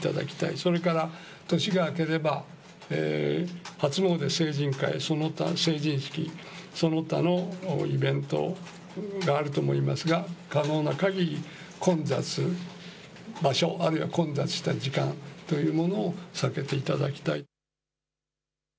それから、年が明ければ、初詣、その他、成人式、その他のイベントがあると思いますが、可能なかぎり、混雑、場所、あるいは、混雑した時間というものを避けていただきたい。